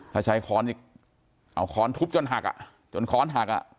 ถ้าใช้ค้อนอีกเอาค้อนทุบจนหักอ่ะจนค้อนหักอ่ะ